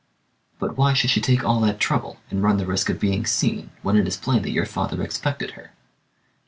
"But why should she take all that trouble, and run the risk of being seen, when it is plain that your father expected her?"